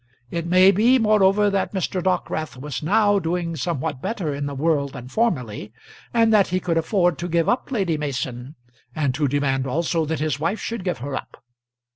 It may be, moreover, that Mr. Dockwrath was now doing somewhat better in the world than formerly, and that he could afford to give up Lady Mason, and to demand also that his wife should give her up.